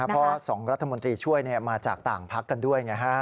เพราะ๒รัฐมนตรีช่วยมาจากต่างพักกันด้วยไงฮะ